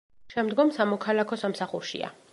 შემდგომ სამოქალაქო სამსახურშია.